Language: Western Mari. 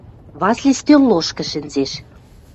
Васли стӧл лошкы шӹнзеш.